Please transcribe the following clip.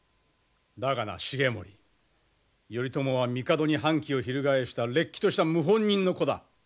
だがな重盛頼朝は帝に反旗を翻したれっきとした謀反人の子だ。